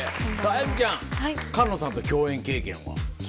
あやみちゃん菅野さんと共演経験は？